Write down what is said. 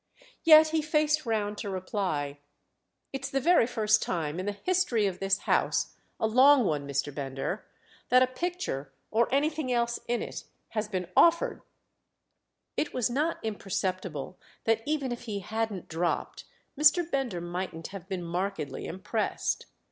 Yet he faced round to reply: "It's the very first time in the history of this house (a long one, Mr. Bender) that a picture, or anything else in it, has been offered——!" It was not imperceptible that even if he hadn't dropped Mr. Bender mightn't have been markedly impressed.